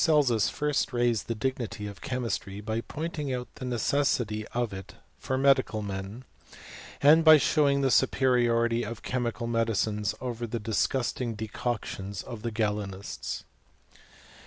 8 first raised the dignity of chemistry, by pointing out the necessity of it for medical men, and by showing the superiority of chemical medicines over the disgusting decoctions of the Oalenists.